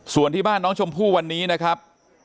ส่วนที่บ้านน้องชมพู่วันนี้นะครับ